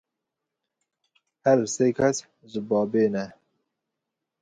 Her sê kes ji Babê ne.